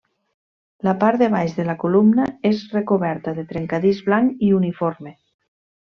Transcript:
La part de baix de la columna és recoberta de trencadís blanc i uniforme.